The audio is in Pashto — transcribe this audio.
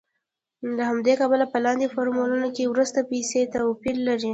له همدې کبله په لاندې فورمول کې وروستۍ پیسې توپیر لري